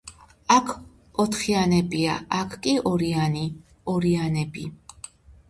აქ, ოთხიანებია, აქ კი ორიანი; ორიანები.